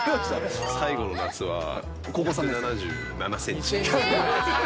最後の夏は、１７７センチ。